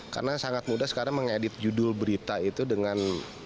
karena sangat mudah sekarang mengedit judul berita itu dengan